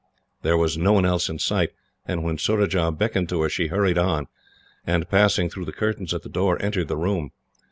There was no one else in sight, and when Surajah beckoned to her, she hurried on, and, passing through the curtains at the door, entered the room.